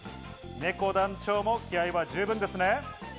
ねこ団長も気合いは十分ですね。